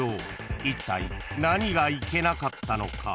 ［いったい何がいけなかったのか？］